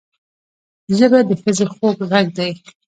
ژبه د ښځې خوږ غږ دی